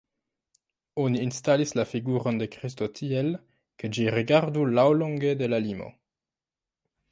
Oni instalis la figuron de Kristo tiel, ke ĝi rigardu laŭlonge de la limo.